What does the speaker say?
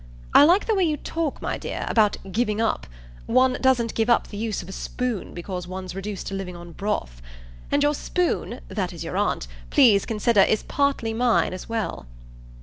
I like the way you talk, my dear, about 'giving up'! One doesn't give up the use of a spoon because one's reduced to living on broth. And your spoon, that is your aunt, please consider, is partly mine as well."